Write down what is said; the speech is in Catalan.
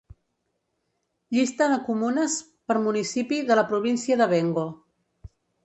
Llista de comunes per municipi de la província de Bengo.